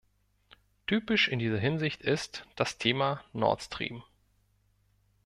Typisch in dieser Hinsicht ist das Thema Nord Stream.